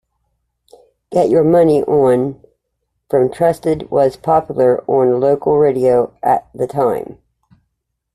"Get Your Money On" from "Trusted" was popular on local radio at the time.